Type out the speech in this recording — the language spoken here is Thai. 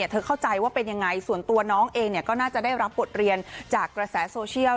เข้าใจว่าเป็นยังไงส่วนตัวน้องเองก็น่าจะได้รับบทเรียนจากกระแสโซเชียล